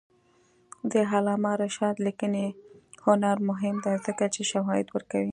د علامه رشاد لیکنی هنر مهم دی ځکه چې شواهد ورکوي.